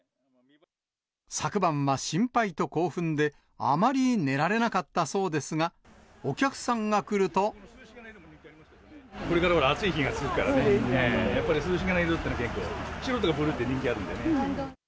昨晩は心配と興奮であまり寝られなかったそうですが、お客さんがこれから暑い日が続くからね、やっぱり涼しげな色っていうのはね、結構、白とかブルーって人気あるんだよね。